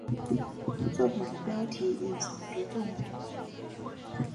作品的标题隐藏着重要的秘密。